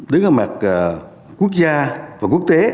đứng ở mặt quốc gia